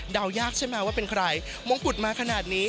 ยากใช่ไหมว่าเป็นใครมงกุฎมาขนาดนี้